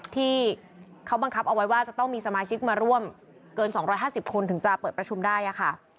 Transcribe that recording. ที่เขาบังคับเอาไว้ว่าจะต้องมีสมาชิกมาร่วมเกิน๒๕๐คนถึงจะเปิดประชุมได้ค่ะ